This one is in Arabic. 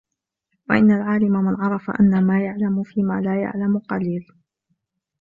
وَإِنَّ الْعَالِمَ مَنْ عَرَفَ أَنَّ مَا يَعْلَمُ فِيمَا لَا يَعْلَمُ قَلِيلٌ